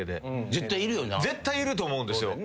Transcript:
絶対いると思うんですよ。